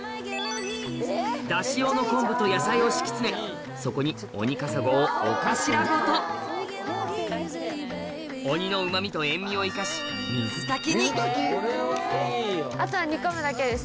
ダシ用の昆布と野菜を敷き詰めそこにオニカサゴをお頭ごとオニのうま味と塩みを生かしあとは煮込むだけです。